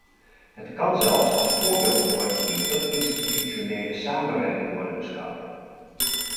Het kan zelfs als voorbeeld voor interinstitutionele samenwerking worden beschouwd.